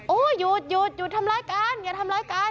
หยุดหยุดหยุดทำร้ายกันอย่าทำร้ายกัน